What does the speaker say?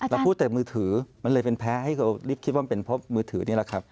พูดแต่มือถือมันเลยเป็นแพ้ให้เขาคิดว่ามันเป็นเพราะมือถือนี่แหละครับ